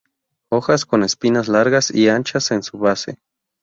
Hojas con espinas largas y anchas en su base.